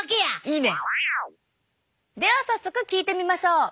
では早速聞いてみましょう。